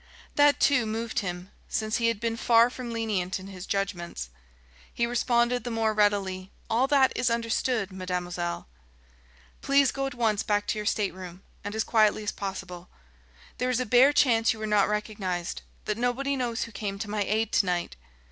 That, too, moved him, since he had been far from lenient in his judgments. He responded the more readily: "All that is understood, mademoiselle." "Please go at once back to your stateroom, and as quietly as possible. There is a bare chance you were not recognised, that nobody knows who came to my aid to night.